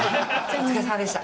お疲れさまでした。